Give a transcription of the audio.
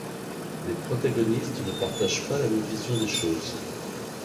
Les protagonistes ne partagent pas la même vision des choses.